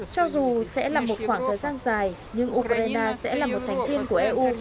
cho dù sẽ là một khoảng thời gian dài nhưng ukraine sẽ là một thành viên của eu